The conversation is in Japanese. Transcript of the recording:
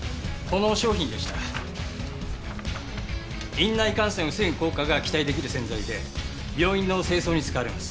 院内感染を防ぐ効果が期待出来る洗剤で病院の清掃に使われます。